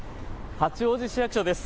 八王子市役所です。